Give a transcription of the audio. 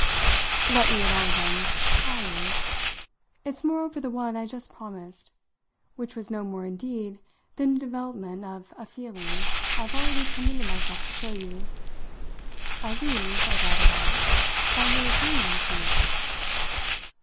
"Let me at all events try you. It's moreover the one I just promised; which was no more indeed than the development of a feeling I've already permitted myself to show you. I lose" I brought it out "by your agreeing with me!"